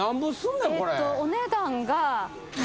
お値段が。